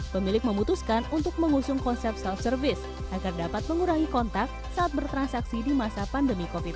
pemilik memutuskan untuk mengusung konsep self service agar dapat mengurangi kontak saat bertransaksi di masa pandemi covid sembilan belas